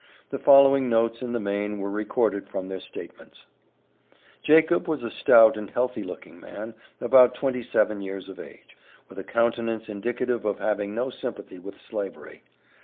The following notes in the main were recorded from their statements: Jacob was a stout and healthy looking man, about twenty seven years of age, with a countenance indicative of having no sympathy with Slavery.